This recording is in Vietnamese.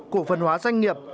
cổ phần hóa doanh nghiệp